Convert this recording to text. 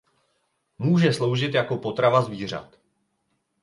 Může sloužit jako potrava zvířat.